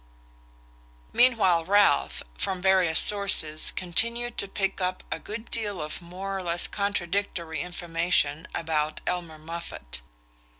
Meanwhile Ralph, from various sources, continued to pick up a good deal of more or less contradictory information about Elmer Moffatt.